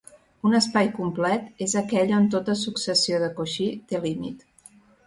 Un espai complet és aquell on tota successió de Cauchy té límit.